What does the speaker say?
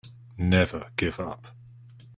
Never give up.